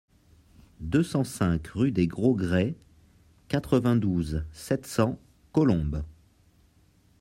deux cent cinq rue des Gros Grès, quatre-vingt-douze, sept cents, Colombes